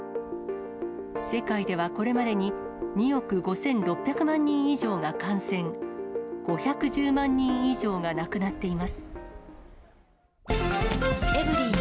世界ではこれまでに２億５６００万人以上が感染、５１０万人以上が亡くなっています。